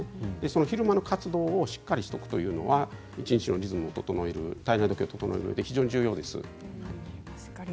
昼間の活動をしっかりしておくというのは一日のリズムを整える体内時計を整えるのに非常に重要です。